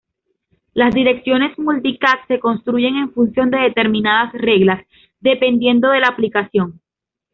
Las direcciones Multicast se construyen en función de determinadas reglas, dependiendo de la aplicación.